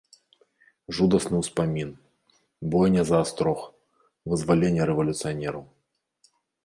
Жудасны ўспамін, бойня за астрог, вызваленне рэвалюцыянераў.